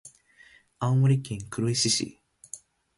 青森県黒石市